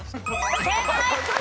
正解！